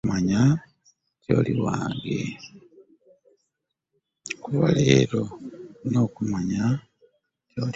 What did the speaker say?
Kuva leero olina okumanya nti oli wange.